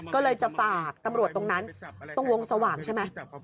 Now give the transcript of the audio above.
ก็เลยจะฝากตำรวจตรงนั้นตรงวงสว่างใช่ไหม